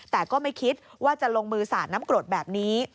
แต่ก็ไม่คิดว่าจะลงมือสาดน้ำกรดแบบนี้